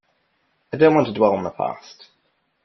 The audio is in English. I don't want to dwell on the past.